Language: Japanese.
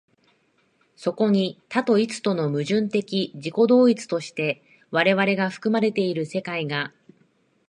そこに多と一との矛盾的自己同一として我々が含まれている世界が、